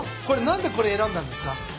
何でこれ選んだんですか？